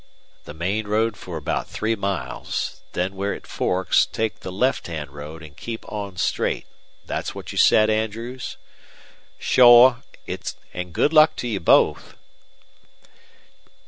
"The main road for about three miles, then where it forks take the left hand road and keep on straight. That what you said, Andrews?" "Shore. An' good luck to you both!"